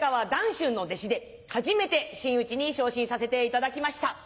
春の弟子で初めて真打に昇進させていただきました。